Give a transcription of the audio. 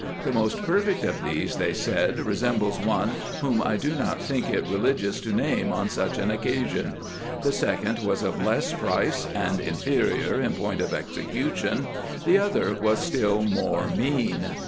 The most perfect of these, they said, resembles one, whom I do not tlunk it religious to name on such an occasion ; the second was of less price, and inferior in point of execution ; the other was still more mean.